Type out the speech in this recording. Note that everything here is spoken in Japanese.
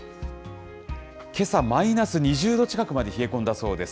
けさマイナス２０度近くまで冷え込んだそうです。